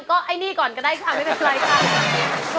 ก็ไอ้นี่ก่อนก็ได้ค่ะไม่เป็นไรค่ะ